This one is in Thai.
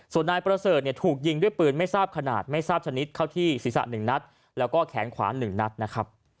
ส่วนนายประเสริฐเนี่ยถูกยิงด้วยปืนไม่ทราบขนาดไม่ทราบชนิดเข้าที่ศีรษะ๑นัดแล้วก็แขนขวา๑นัดนะครับ